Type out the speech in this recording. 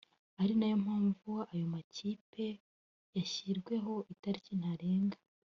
ari nayo mpamvu ayo makipe yashyiriweho itariki ntarenga